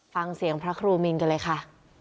ฟังเสียงพระครูมินกันเลยค่ะ